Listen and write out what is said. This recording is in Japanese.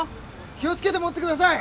気をつけて持ってください。